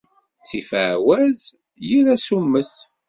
Ttif εawaz, yir asummet.